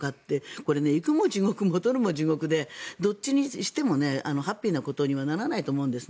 これ、行くも地獄戻るも地獄でどちらにしてもハッピーなことにはならないと思うんですね。